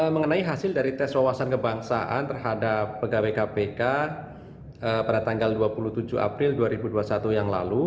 mengenai hasil dari tes wawasan kebangsaan terhadap pegawai kpk pada tanggal dua puluh tujuh april dua ribu dua puluh satu yang lalu